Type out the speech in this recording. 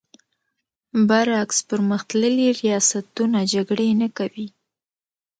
برعکس پر مختللي ریاستونه جګړې نه کوي.